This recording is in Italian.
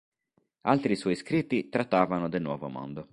Altri suoi scritti trattavano del Nuovo Mondo.